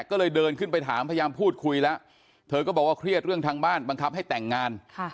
ก็เลยเดินขึ้นไปถามพยายามพูดคุยแล้วเธอก็บอกว่าเครียดเรื่องทางบ้านบังคับให้แต่งงาน